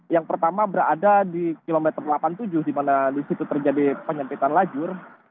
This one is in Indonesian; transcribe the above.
yang pertama berada di kilometer delapan puluh tujuh dimana disitu terjadi penyempitan lajur